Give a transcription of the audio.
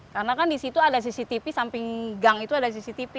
karena kan di situ ada cctv samping gang itu ada cctv